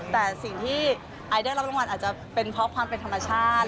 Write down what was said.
แต่สิ่งที่ไอได้รับรางวัลอาจจะเป็นเพราะความเป็นธรรมชาติ